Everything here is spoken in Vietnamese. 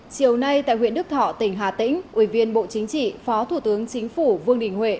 chiều nay tại huyện đức thọ tỉnh hà tĩnh ủy viên bộ chính trị phó thủ tướng chính phủ vương đình huệ